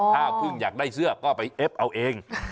ถ้าพึ่งอยากได้เสื้อก็ไปเอฟเอาเอง